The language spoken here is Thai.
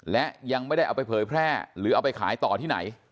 และยังไม่ได้เอาไปเผยแพร่หรือเอาไปขายต่อที่ไหน